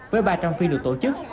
với ba trăm linh phi được tổ chức